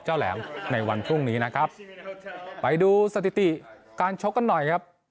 แหลมในวันพรุ่งนี้นะครับไปดูสถิติการชกกันหน่อยครับ